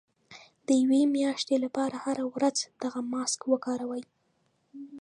د يوې مياشتې لپاره هره ورځ دغه ماسک وکاروئ.